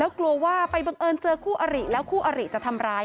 กลัวว่าไปบังเอิญเจอคู่อริแล้วคู่อริจะทำร้าย